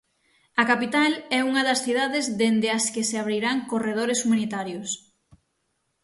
A capital é unha das cidades dende as que se abrirán corredores humanitarios.